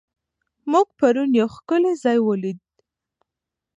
موږ پرون یو ښکلی ځای ولید.